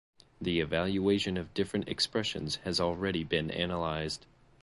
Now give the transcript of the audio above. The evaluation of different expressions has already been analysed.